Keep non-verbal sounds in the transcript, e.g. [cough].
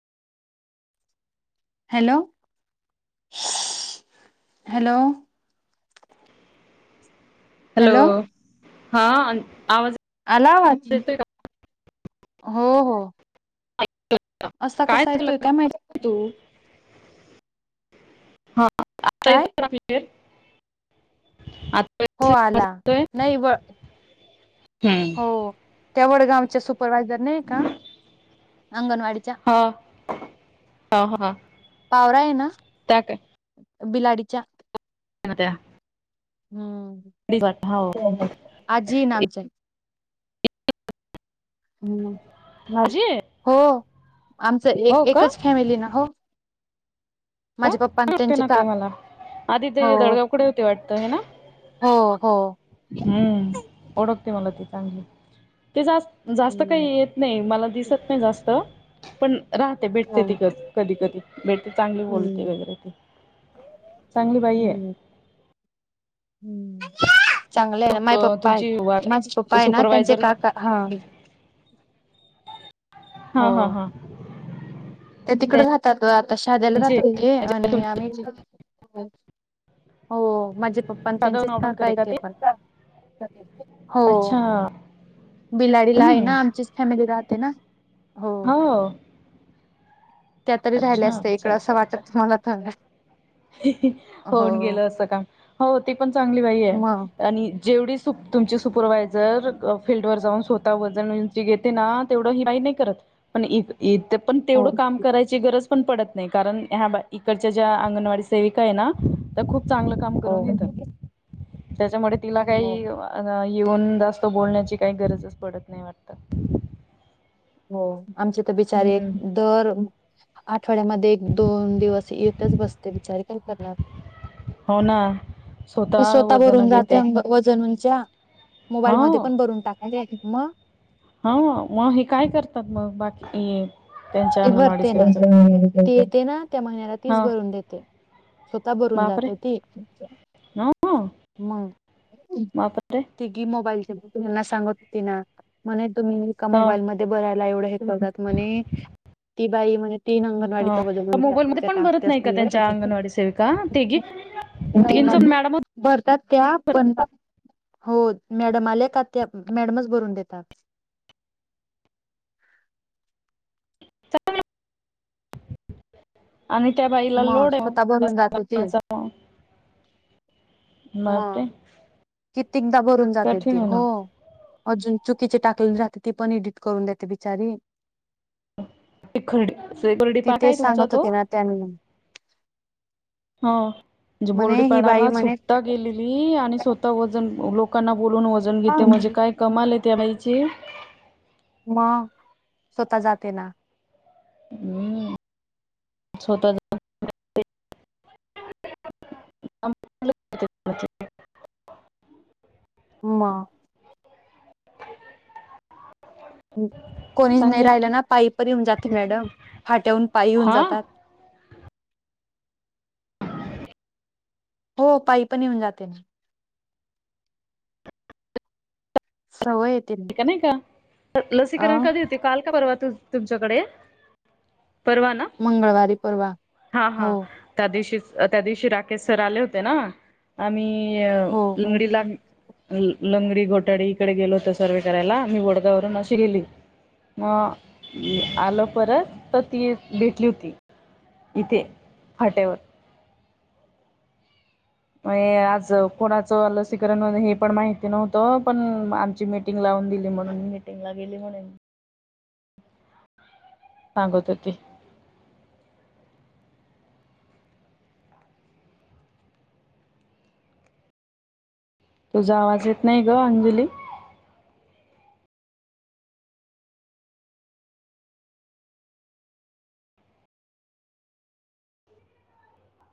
Hello? Hello? Hello? हा आवाज आला [unintelligible] येतोय हो हो. का असा काय कसा झालं येतोय ग काय माहिती? तू हा आता काय येतो णा क्लिअर? आ हो आला नाही ब हा. हो. त्या वडगावच्या सुपरवायझर नाही का अंगणवाडीच्या? हा. हा हा. पावरा आहे ना त्या काय बिलाडीच्या ण त्या हम्म. हो ते आजी ना आमच्या हम्म. आजी आहे? हो आमच एक हो का एकच फॅमिली ना हो. का? माझ्या पप्पा ने ओळखते त्यांचे ना का ते मला आधी ते हो. दडगावकडे होते वाटतं हे ना हो. हो. हम्म. ओळखते मला ती चांगली. ते जास्त काही हम्म येत नाही मला दिसत नाही जास्त पण रा ते भेटते ती हम्म क कधी कधीे भेटते चांगली बोल हम्म चांगली बाई आहे. हम्म. चांगलं आहे ना मग माय पप्पा आहे, तुमची वा माझे पप्पा आहे ना त्यांचे सुपरवायझर काका हा. हा हा हा. त्या तिकड राहतात आता शाध्याला राहात त्यांचे ते आणि आम्ही साधव हो माझे प पण त्यांचेच का काय ते पण अच्छा हो. बिलाडीला आहे हम्म ना आमचीच फॅमिली राहते ना. हो. त्यातरी राहिल्या अच्छा असते अच्छा इकडं असं वाटत मला तर इही हो होऊन गेलं असं काम हो ती पण चांगली बाई आहे. मग आणि जेवढी सु तुमची सुपरवायझर फील्डवर जाऊन स्वतः वजण उंची घेते ना तेवढं ह काही नाही करत पण इथं पण हो तेवढ काम करायची गरज पण पडत नाही कारण ह्या इकडच्या ज्या अंगणवाडी सेविका आहे ना त्या खूप चांगलं काम हो करून घेतात त्याच्यामुळे तिला हो काही येऊन जास्त बोलण्याची काही गरजच पडत नाही वाटत. हो. आमचे तर बिचारे हम्म. दर आठवड्यामध्ये एक, दोन दिवस येतच बसते बिचारी काय करणार. हो ना स्वतः वजन घेते. वजनूंच्या मोबाईल मध्ये हो. पण भरून टाकायच्या आहेत मग हा मग हे काय करतात मग बाकी त्यांच्या ते अंगणवाडी भरते ना सेविका ते येते ना त्या महिन्याला तिच हा भरून देते स्वतः भरून जाते ती ह मापात ती की मोबाईल ह्याना सांगत होती ना म्हणे तुम्ही का हो. मोबाइल म ते बरायला एवढं हे लावतात म्हणे ती बाई म्हणे ह मोबाईलमध्ये पण भरत नाही का म्हणत त्यांच्या होती अंगणवाडी सेविका ते गी नाही ना तिनचण मॅडम भरतात त्या बन हो मॅडम आले का त्या मॅडमच भरून देतात. [unintelligible] आणि त्या बाईला मग लोड स्वतः भरून जाते ती [unintelligible] मग कितीकदा भरून जाते कठीण ते आहे ना. हो. अजून चुकीचे टाकले राहते ती पण एडिट करून देते बिचारी. खरडी खरडी पाक आहे तिथच तुमचा सांगत होते ना त्यां हा म्हणजे म्हणे ही बाई बोरडीपाडला म्हणे सुटता गेली ली आणि स्वतः वजन लोकांना बोलून वजन घेते म्हणजे काय कमाल त्या बाईची. मग स्वतः जाते ना. हम्म छोट म कोणी नाही चांगले राहिलं ना पायी परी येऊन जाते मॅडम फाट्याहून पायी होऊन हा जातात. हो पाई पण येऊन जात्यात. सवयेत. ठीक नाही का लसीकरण कधी होते. काल का परवा तू तुमच्याकडे. परवा ना मंगळवारी परवा हा हो हा. त्या दिवशी त्या दिवशी राकेश सर आले होते, ना आम्ही हो लंगडी ला लंगडी घोटाडी इकडे गेलो होतं. सर्व करायला मी वोडगावरून अशी गेली. मग आलं परत तर ती भेटली होती. इथे फाट्यावर. म हे आज कोणाचं लसीकरण हे पण माहिती नव्हतं पण आमची मी मीटिंग लावून दिली म्हणून मीटिंग ला गेली म्हणून सांगत होती. तुझा आवाज येत नाही ग अंजली.